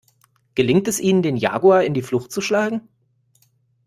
Gelingt es ihnen, den Jaguar in die Flucht zu schlagen?